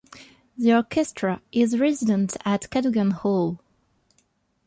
The orchestra is resident at Cadogan Hall.